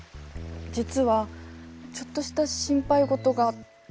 実はちょっとした心配事が。